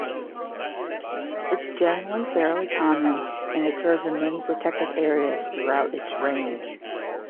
It is generally fairly common and occurs in many protected areas throughout its range.